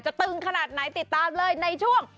ตึงขนาดไหนติดตามเลยในช่วง